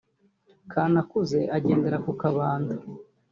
Kanakuze ugendera ku kabando